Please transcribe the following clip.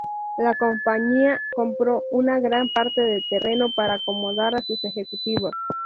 La compañía compró una gran parte de terreno para acomodar a sus ejecutivos.